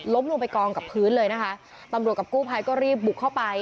ลงไปกองกับพื้นเลยนะคะตำรวจกับกู้ภัยก็รีบบุกเข้าไป